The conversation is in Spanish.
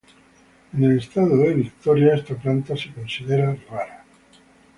En el estado de Victoria, esta planta es considerada rara.